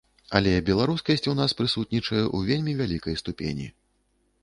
Але беларускасць у нас прысутнічае ў вельмі вялікай ступені.